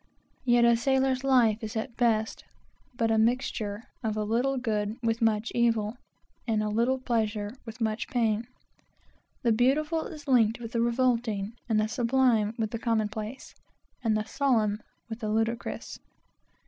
Yet a sailor's life is at best, but a mixture of a little good with much evil, and a little pleasure with much pain. The beautiful is linked with the revolting, the sublime with the commonplace, and the solemn with the ludicrous.